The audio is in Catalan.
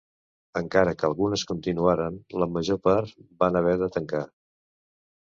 Encara que algunes continuaren, la major part van haver de tancar.